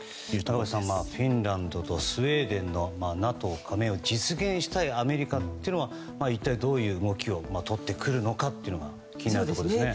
中林さん、フィンランドとスウェーデンのＮＡＴＯ加盟を実現したいアメリカというのは一体どういう動きをとるのか気になるところですね。